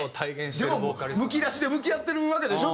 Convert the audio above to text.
でもむき出して向き合ってるわけでしょ？